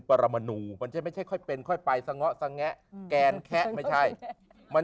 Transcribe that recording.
รมนูมันจะไม่ใช่ค่อยเป็นค่อยไปสะเงาะสงแงะแกนแคะไม่ใช่มัน